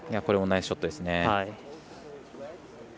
ナイスショットですね。